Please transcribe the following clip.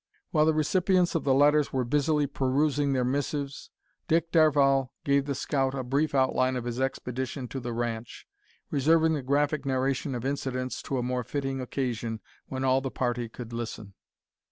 While the recipients of the letters were busily perusing their missives, Dick Darvall gave the scout a brief outline of his expedition to the ranch, reserving the graphic narration of incidents to a more fitting occasion, when all the party could listen.